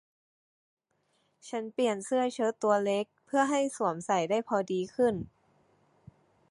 ฉันเปลี่ยนเสื้อเชิ้ตตัวเล็กเพื่อให้สวมใส่ได้พอดีขึ้น